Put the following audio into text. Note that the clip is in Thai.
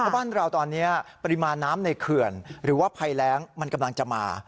บ้านเราตอนนี้ปริมาณน้ำในเขื่อนหรือว่าภัยแรงมันกำลังจะมา